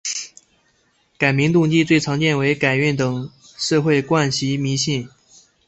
改名动机最常见为改运等社会惯习迷信。